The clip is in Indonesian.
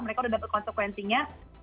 mereka udah dapat konsekuensinya